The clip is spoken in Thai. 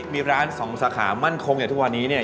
มีร้านสองสาขามั่นคงอย่างทุกวันนี้เนี่ย